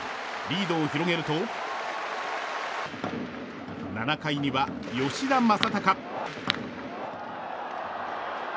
リードを広げると７回には吉田正尚。